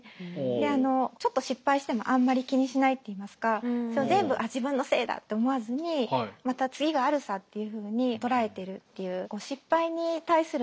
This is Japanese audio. であのちょっと失敗してもあんまり気にしないっていいますか全部あっ自分のせいだって思わずにまた次があるさっていうふうに捉えてるっていう。